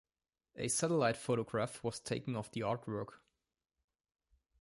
A satellite photograph was taken of the artwork.